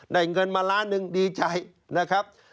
เงินมาล้านหนึ่งดีใจนะครับ